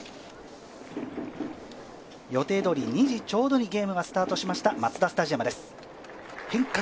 予定どおり２時ちょうどに試合がスタートしたマツダスタジアムです。